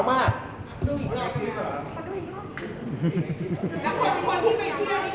มันเป็นสิ่งที่เราไม่รู้สึกว่า